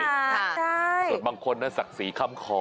ส่วนบางคนสักสีข้ำคอ